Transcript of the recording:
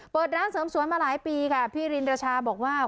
เปิดร้านเสริมสวยมาหลายปีค่ะพี่รินรชาบอกว่า